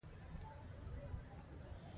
هغې د صادق اوازونو ترڅنګ د زړونو ټپونه آرام کړل.